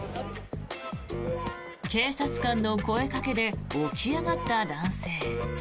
警察官の声掛けで起き上がった男性。